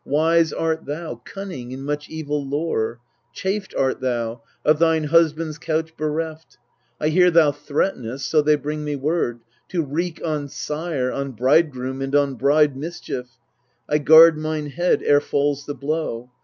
Wise art thou, cunning in much evil lore ; Chafed art thou, of thine husband's couch bereft : I hear thou threatenest, so they bring me word, To wreak on sire, on bridegroom, and on bride Mischief. I guard mine head ere falls the blow.